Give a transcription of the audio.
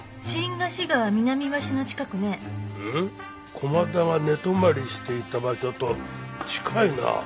駒田が寝泊りしていた場所と近いな。